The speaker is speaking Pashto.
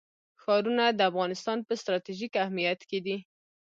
ښارونه د افغانستان په ستراتیژیک اهمیت کې دي.